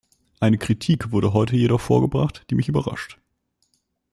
Eine Kritik wurde heute jedoch vorgebracht, die mich überrascht.